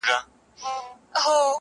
• نور یې هېر سو چل د ځان د مړولو -